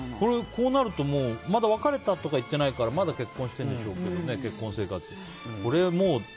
こうなるとまだ別れたとか言っていないからまだ結婚してるんでしょうけど結婚生活。